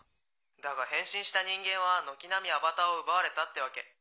だが返信した人間は軒並みアバターを奪われたってわけ。